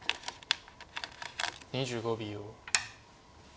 ２５秒。